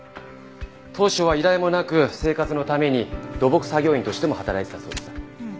当初は依頼もなく生活のために土木作業員としても働いてたそうです。